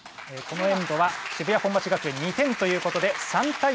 このエンドは渋谷本町学園に２点ということで３対０。